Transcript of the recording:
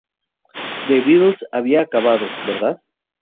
The Beatles habían acabado, ¿verdad?